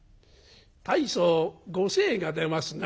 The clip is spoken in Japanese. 大層ご精が出ますな」。